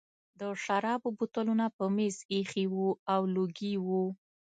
د شرابو بوتلونه په مېز ایښي وو او لوګي وو